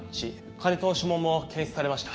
金戸の指紋も検出されました。